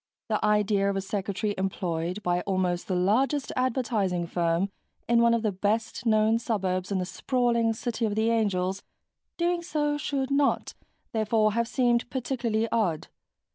The idea of a secretary employed by almost the largest advertising firm in one of the best known suburbs in the sprawling City of the Angels doing so should not, therefore, have seemed particularly odd.